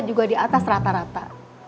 juga di atas rata rata